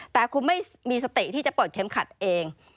แต่คุณไม่มีสติที่จะเปิดเข็มขัดเอง